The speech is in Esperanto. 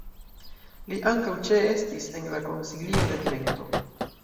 Li ankaŭ ĉeestis en la Konsilio de Trento.